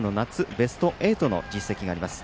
ベスト８の実績があります。